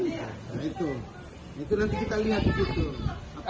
nah itu itu nanti kita lihat di situ